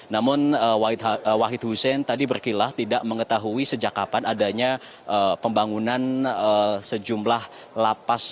namun wahid hussein tadi berkilah tidak mengetahui sejak kapan adanya pembangunan sejumlah lapas